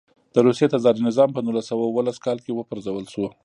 د روسیې تزاري نظام په نولس سوه اوولس کال کې و پرځول شو.